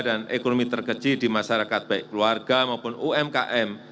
dan ekonomi terkecil di masyarakat baik keluarga maupun umkm